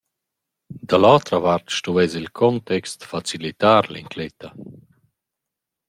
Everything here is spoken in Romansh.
Da l’otra vart stuvess il context facilitar l’incletta.